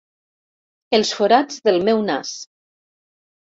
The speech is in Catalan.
Els forats del meu nas.